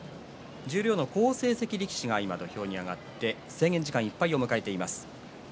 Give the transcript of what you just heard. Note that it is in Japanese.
十両の好成績力士が土俵に上がって制限時間いっぱいを迎えています。